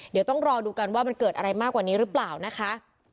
เดี๋ยวต้องรอดูกันว่ามันเกิดอะไรมากกว่านี้หรือเปล่านะคะ